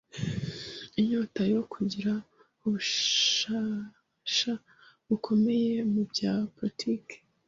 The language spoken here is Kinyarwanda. Inyota yo kugira ububasha bukomeye mu bya politiki